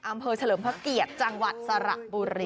เฉลิมพระเกียรติจังหวัดสระบุรี